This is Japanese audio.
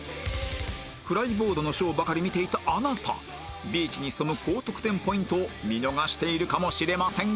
フライボードのショーばかり見ていたあなたビーチに潜む高得点ポイントを見逃しているかもしれませんよ